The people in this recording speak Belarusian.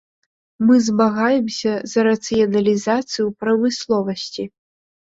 Мы змагаемся за рацыяналізацыю ў прамысловасці.